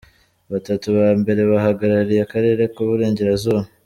Batatu ba mbere bahagarariye akarere k'u Burengerazuba.